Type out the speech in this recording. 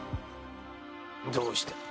どうした？